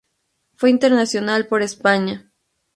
Fue internacional por España.